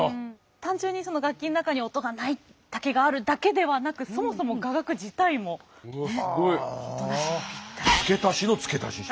単純にその楽器の中に「音が無い」だけがあるだけではなくそもそも雅楽自体も音無し。